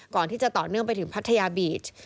ก่อนที่จะต่อเนื่องไปถึงพัทยาบีช